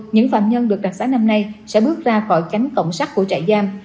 những phạm nhân được đặc xá năm nay sẽ bước ra khỏi cánh cổng sắt của trại giam